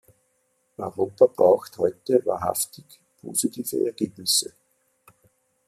Europa braucht heute wahrhaftig positive Ergebnisse!